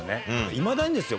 いまだにですよ